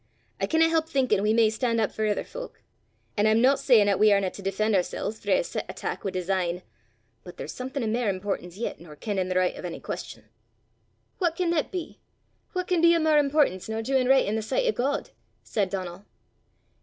I canna help thinkin' we may stan' up for ither fowk. An' I'm no sayin' 'at we arena to defen' oorsel's frae a set attack wi' design. But there's something o' mair importance yet nor kennin' the richt o' ony queston." "What can that be? What can be o' mair importance nor doin' richt i' the sicht o' God?" said Donal.